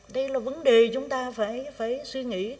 đây là vấn đề chúng ta phải suy nghĩ